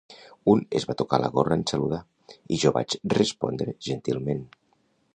Un es va tocar la gorra en saludar i jo vaig respondre gentilment.